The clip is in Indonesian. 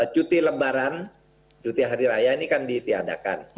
cuti lebaran cuti hari raya ini kan ditiadakan